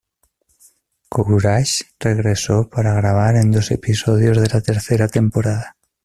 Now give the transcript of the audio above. Courage regresó para grabar en dos episodios de la tercera temporada.